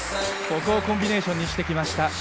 ここをコンビネーションにしてきました。